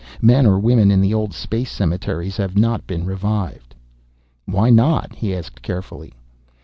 Men or women in the old space cemeteries have not been revived." "Why not?" he asked carefully.